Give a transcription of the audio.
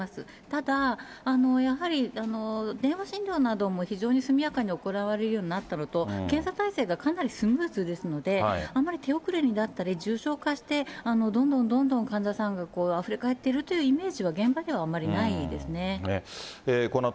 ただ、やはり電話診療なども非常に速やかに行われるようになったのと、検査体制がかなりスムーズですので、あんまり手遅れになったり、重症化してどんどんどんどん患者さんがあふれ返ってるってイメー